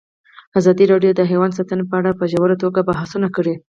ازادي راډیو د حیوان ساتنه په اړه په ژوره توګه بحثونه کړي.